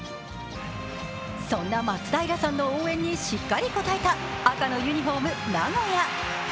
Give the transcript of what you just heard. そんな松平さんの応援にしっかり応えた赤のユニフォーム、名古屋。